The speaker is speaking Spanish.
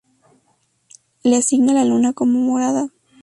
Le asigna la luna como morada.